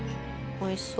おいしそう。